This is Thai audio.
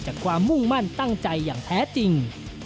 ความมุ่งมั่นตั้งใจอย่างแท้จริง